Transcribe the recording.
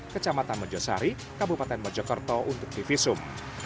kecamatan mejosari kabupaten mejokerto untuk divisum